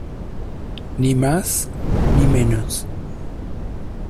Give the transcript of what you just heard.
Ni más, ni menos.